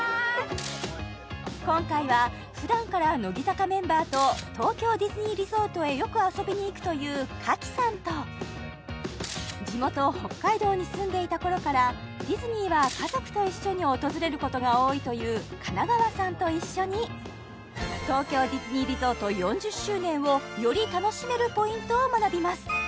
今回は普段から乃木坂メンバーと東京ディズニーリゾートへよく遊びに行くという賀喜さんと地元・北海道に住んでいた頃からディズニーは家族と一緒に訪れることが多いという金川さんと一緒に東京ディズニーリゾート４０周年をより楽しめるポイントを学びます